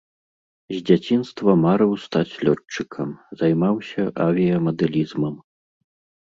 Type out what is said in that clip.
З дзяцінства марыў стаць лётчыкам, займаўся авіямадэлізмам.